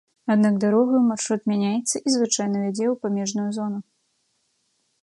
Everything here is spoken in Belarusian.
Аднак дарогаю маршрут мяняецца і звычайна вядзе ў памежную зону.